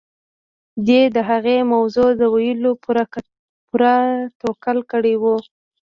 دې د هغې موضوع د ويلو پوره تکل کړی و.